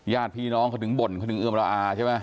ญาติพี่น้องเขาถึงบ่นเขาถึงเอือมระอาใช่ไหม